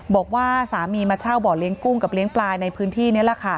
บอกว่าสามีมาเช่าบ่อเลี้ยงกุ้งกับเลี้ยงปลายในพื้นที่นี้แหละค่ะ